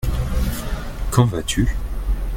Quand vas-tu ?